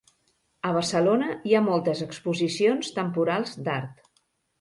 A Barcelona hi ha moltes exposicions temporals d'art.